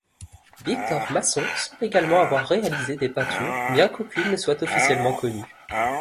Victor Masson semble également avoir réalisé des peintures bien qu'aucune ne soit officiellement connue.